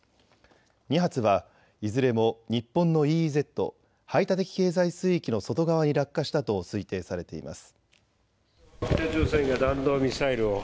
２発はいずれも日本のＥＥＺ・排他的経済水域の外側に落下したと推定されています。